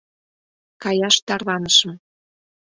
Каяш тарванышым.